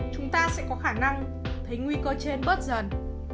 chúng ta sẽ có khả năng thấy nguy cơ trên bớt dần